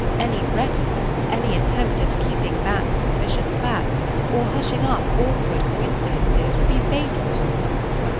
Any reticence, any attempt at keeping back suspicious facts, or hushing up awkward coincidences, would be fatal to us.